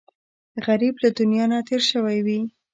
غریب له دنیا نه تېر شوی وي